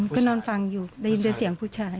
ก็นอนฟังอยู่ได้ยินแต่เสียงผู้ชาย